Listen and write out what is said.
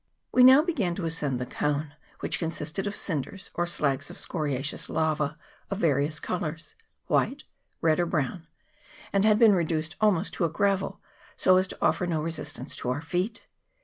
We now began to ascend the cone, which consisted of cinders, or slags of scoriace ous lava, of various colours white, red, or brown, and had been reduced almost to a gravel, so as to offer no resistance to our feet.